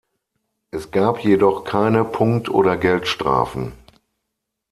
Es gab jedoch keine Punkt- oder Geldstrafen.